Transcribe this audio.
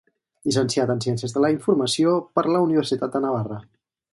Llicenciat en ciències de la informació per la Universitat de Navarra.